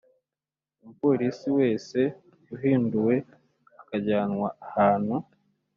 Umupolisi wese uhinduwe akajyanwa ahantu